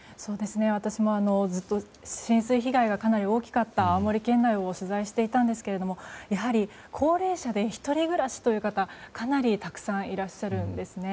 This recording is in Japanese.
私もずっと浸水被害がかなり大きかった青森県内を取材していましたがやはり高齢者で１人暮らしという方がかなりたくさんいらっしゃるんですね。